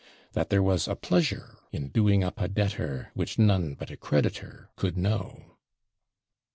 That there was a pleasure in doing up a debtor which none but a creditor could know.